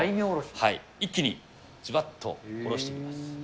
はい、一気にずばっと、おろしていきます。